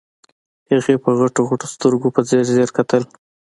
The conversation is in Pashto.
هغې په غټو غټو سترګو په ځير ځير کتل.